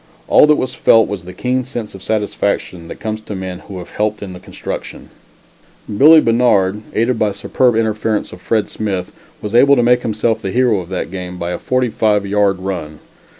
All that was felt was the keen sense of satisfaction that comes to men who have helped in the construction. Billie Bannard, aided by superb interference of Fred Smith, was able to make himself the hero of that game by a forty five yard run.